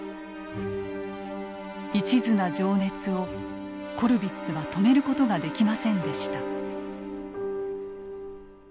いちずな情熱をコルヴィッツは止める事ができませんでした。